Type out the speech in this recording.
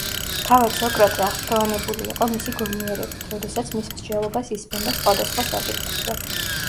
თავად სოკრატე აღფრთოვანებული იყო მისი გონიერებით, როდესაც მის მსჯელობას ისმენდა სხვადასხვა საკითხებზე.